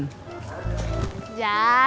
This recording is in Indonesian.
kita gak jadi makan